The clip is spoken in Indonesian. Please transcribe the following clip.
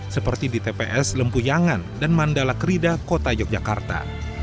seperti di tps lempuyangan dan mandala kerida kota yogyakarta